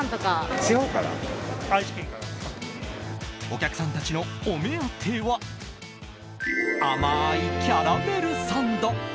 お客さんたちのお目当ては甘いキャラメルサンド。